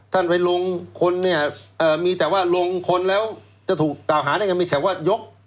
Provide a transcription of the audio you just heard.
ท่านไปลงคนเนี่ยมีแต่ว่าลงคนแล้วจะถูกกล่าวหาได้ยังมีแต่ว่ายก